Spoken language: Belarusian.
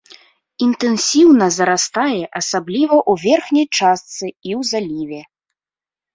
Інтэнсіўна зарастае, асабліва ў верхняй частцы і ў заліве.